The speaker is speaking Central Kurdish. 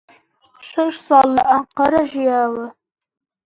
شەش ساڵ لە ئەنقەرە ژیاوە.